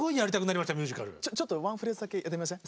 ちょっとワンフレーズだけやってみません？